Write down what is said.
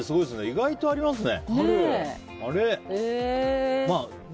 意外とありますね。